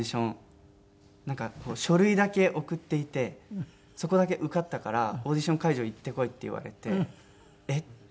なんか書類だけ送っていてそこだけ受かったからオーディション会場行ってこいって言われてえっ？